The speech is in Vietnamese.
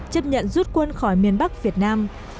chấp nhận rút quân khỏi miền bắc việt nam